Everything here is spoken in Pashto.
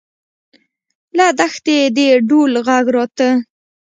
له دښتې د ډول غږ راته.